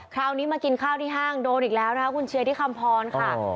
คราวนี้มากินข้าวที่ห้างโดนอีกแล้วนะคะคุณเชียร์ที่คำพรค่ะ